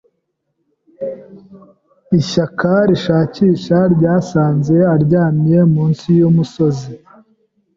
Ishyaka ryishakisha ryasanze aryamye munsi yumusozi.